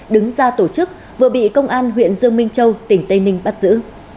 đứng ra tổ chức vừa bị công an huyện dương minh châu tỉnh tây ninh bắt giữ